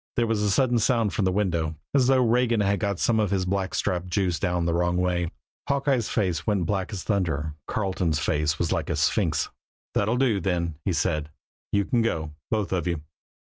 There was a sudden sound from the window, as though Regan had got some of his blackstrap juice down the wrong way. Hawkeye's face went black as thunder. Carleton's face was like a sphinx. "That'll do, then," he said. "You can go, both of you."